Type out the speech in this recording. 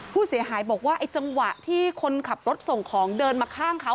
ผู้เสียหายบอกว่าไอ้จังหวะที่คนขับรถส่งของเดินมาข้างเขา